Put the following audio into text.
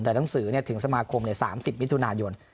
แต่หนังสือถึงสมาคมใน๓๐มิถุนายน